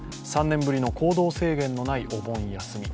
３年ぶりの制限のないお盆休み。